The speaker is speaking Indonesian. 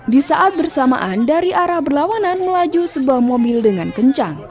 di saat bersamaan dari arah berlawanan melaju sebuah mobil dengan kencang